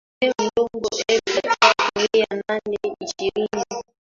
Meru Ndogo elfu tatu mia nane ishirini